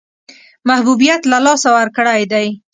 محبوبیت له لاسه ورکړی دی.